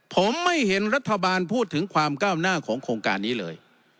ผมไม่เห็นรัฐบาลพูดถึงความก้าวหน้าของโครงการนี้เลย